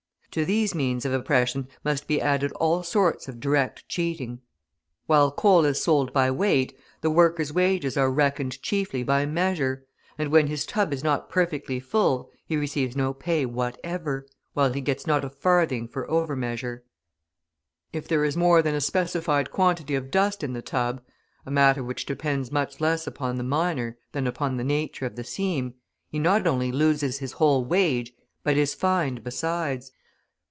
To these means of oppression must be added all sorts of direct cheating. While coal is sold by weight, the worker's wages are reckoned chiefly by measure; and when his tub is not perfectly full he receives no pay whatever, while he gets not a farthing for over measure. If there is more than a specified quantity of dust in the tub, a matter which depends much less upon the miner than upon the nature of the seam, he not only loses his whole wage but is fined besides.